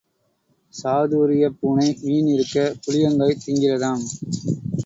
சாதுரியப்பூனை மீன் இருக்க, புளியங்காயத் திங்கிறதாம்.